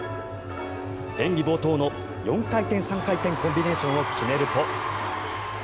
演技冒頭の４回転、３回転コンビネーションを決めると。